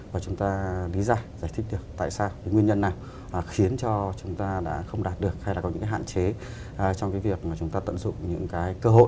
và chúng ta lý giải giải thích được tại sao cái nguyên nhân nào khiến cho chúng ta đã không đạt được hay là có những cái hạn chế trong cái việc mà chúng ta tận dụng những cái cơ hội